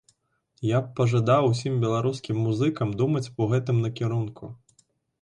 Я б пажадаў усім беларускім музыкам думаць у гэтым накірунку.